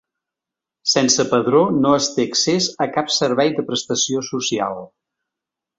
Sense padró no es té accés a cap servei de prestació social.